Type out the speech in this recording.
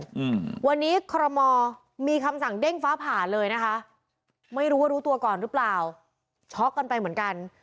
อืมวันนี้คอรมอมีคำสั่งเด้งฟ้าผ่าเลยนะคะไม่รู้ว่ารู้ตัวก่อนหรือเปล่าช็อกกันไปเหมือนกัน